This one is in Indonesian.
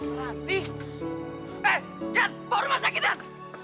tante ranti eh lihat bawa rumah sakit lihat